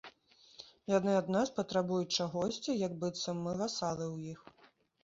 Яны ад нас патрабуюць чагосьці, як быццам мы васалы ў іх.